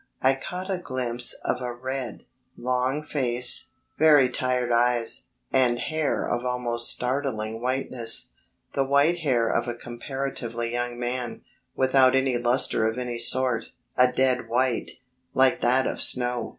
I caught a glimpse of a red, long face, very tired eyes, and hair of almost startling whiteness the white hair of a comparatively young man, without any lustre of any sort a dead white, like that of snow.